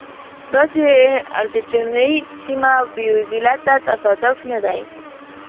دا چې ارجنټاین سیمه بېوزله ده تصادف نه دی.